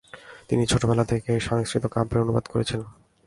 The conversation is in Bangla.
তিনি ছোটবেলাতেই সংস্কৃত কাব্যের অনুবাদ করেছিলেন।